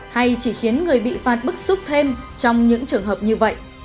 hay chỉ khiến người bị phạt bức xúc thêm trong những trường hợp như vậy